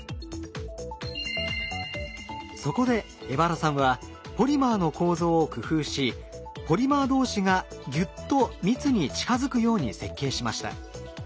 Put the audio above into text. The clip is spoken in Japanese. そこで荏原さんはポリマーの構造を工夫しポリマー同士がぎゅっと密に近づくように設計しました。